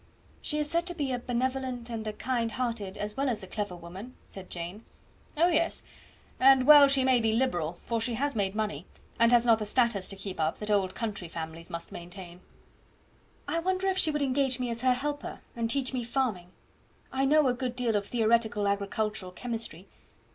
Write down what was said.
"She is said to be a benevolent and a kind hearted, as well as a clever woman," said Jane. "Oh, yes; and well she may be liberal, for she has made money, and has not the status to keep up that old country families must maintain." "I wonder if she would engage me as her helper, and teach me farming. I know a good deal of theoretical agricultural chemistry.